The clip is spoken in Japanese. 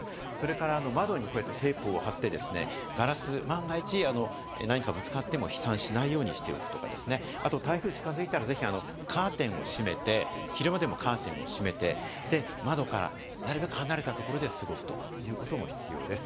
また窓にテープを貼って、ガラスが万が一、何かぶつかっても飛散しないようにしておくとか、台風が近づいたら、ぜひカーテンを閉めて、昼間でもカーテンを閉めて窓からなるべく離れたところで過ごすということも必要です。